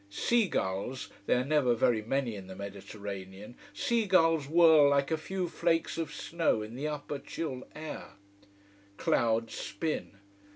Seagulls they are never very many in the Mediterranean seagulls whirl like a few flakes of snow in the upper chill air. Clouds spin.